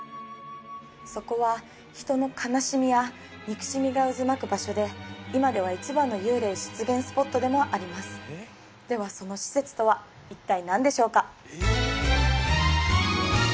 そこは人の悲しみや憎しみが渦巻く場所で今では一番の幽霊出現スポットでもありますではその施設とは一体何でしょうか？